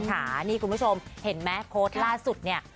ค่ะนี่คุณผู้ชมเห็นไหมโค้ดล่าสุดเนี่ย